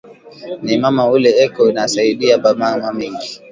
Ni mama ule eko na saidia ba mama mingi